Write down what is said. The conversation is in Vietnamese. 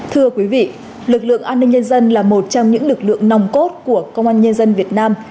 thưa quý vị lực lượng an ninh nhân dân là một trong những lực lượng nòng cốt của công an nhân dân việt nam